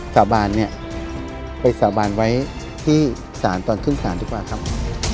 สาบานเนี่ยไปสาบานไว้ที่ศาลตอนขึ้นศาลดีกว่าครับ